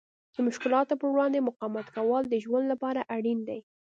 د مشکلاتو په وړاندې مقاومت کول د ژوند لپاره اړین دي.